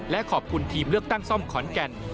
และขอบคุณทีมเลือกตั้งซ่อมขอนแก่น